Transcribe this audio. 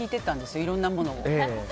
いろんなものを。